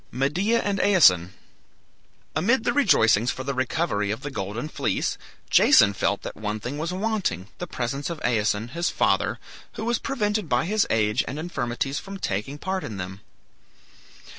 MEDEA AND AESON Amid the rejoicings for the recovery of the Golden Fleece, Jason felt that one thing was wanting, the presence of Aeson, his father, who was prevented by his age and infirmities from taking part in them.